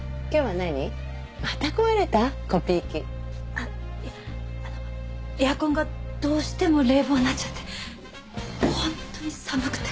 あっいやあのエアコンがどうしても冷房になっちゃって本当に寒くて。